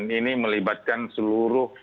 dan ini melibatkan seluruh kesehatan